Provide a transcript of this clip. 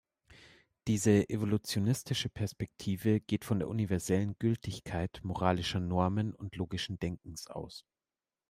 Diese evolutionistische Perspektive geht von der universellen Gültigkeit moralischer Normen und logischen Denkens aus.